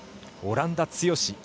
オランダ強し。